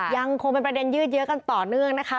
ยังคงเป็นประเด็นยืดเยอะกันต่อเนื่องนะคะ